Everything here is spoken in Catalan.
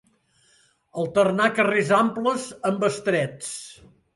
Alternar carrers amples amb estrets.